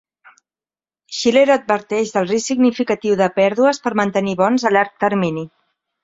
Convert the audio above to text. Shiller adverteix del risc significatiu de pèrdues per mantenir bons a llarg termini.